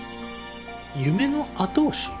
夢の後押し？